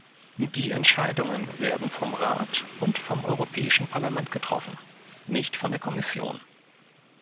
Die Entscheidungen werden vom Rat und vom Europäischen Parlament getroffen nicht von der Kommission.